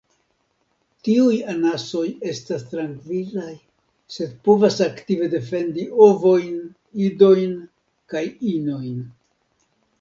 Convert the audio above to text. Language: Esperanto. Tiuj anasoj estas trankvilaj, sed povas aktive defendi ovojn, idojn kaj inojn.